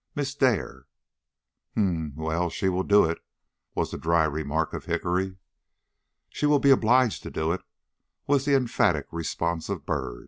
Miss Dare." "Hem! Well, she will do it," was the dry remark of Hickory. "She will be obliged to do it," was the emphatic response of Byrd.